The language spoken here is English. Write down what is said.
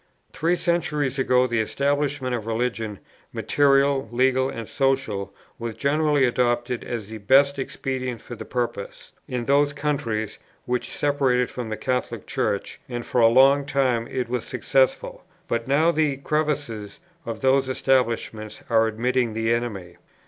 Three centuries ago the establishment of religion, material, legal, and social, was generally adopted as the best expedient for the purpose, in those countries which separated from the Catholic Church; and for a long time it was successful; but now the crevices of those establishments are admitting the enemy.